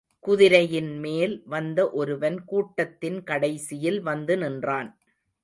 குதிரையின்மேல் வந்த ஒருவன் கூட்டத்தின் கடைசியில் வந்து நின்றான்.